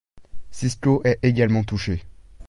Cisco est également touché.